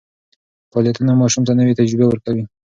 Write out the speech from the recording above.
فعالیتونه ماشوم ته نوې تجربې ورکوي.